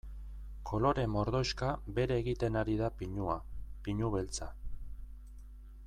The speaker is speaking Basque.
Kolore mordoxka bere egiten ari da pinua, pinu beltza.